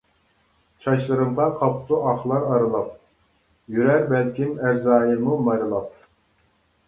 چاچلىرىمغا قاپتۇ ئاقلار ئارىلاپ، يۈرەر بەلكىم ئەزرائىلمۇ مارىلاپ.